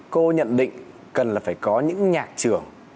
cô nhận định cần là phải có những nhạc trưởng